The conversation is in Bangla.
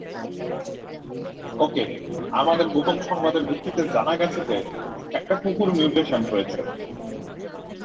ওকে, আমাদের গোপন সংবাদের ভিত্তিতে জানা গেছে যে একটা কুকুর মিউটেশন হয়েছে।